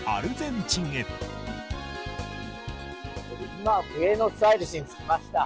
今、ブエノスアイレスに着きました。